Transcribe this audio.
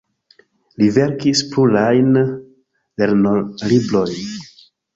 Li verkis plurajn lernolibrojn.